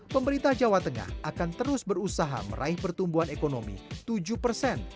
pemerintah jawa tengah akan terus berusaha meraih pertumbuhan ekonomi tujuh persen